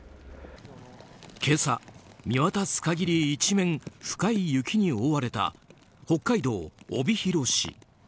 今朝、見渡す限り一面深い雪に覆われた北海道帯広市。